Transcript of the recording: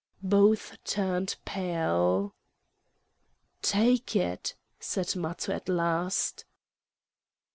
Both turned pale. "Take it!" said Matho at last.